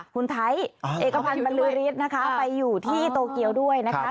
คุณไทยเอกพันธ์บรรลือฤทธิ์นะคะไปอยู่ที่โตเกียวด้วยนะคะ